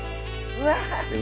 うわ！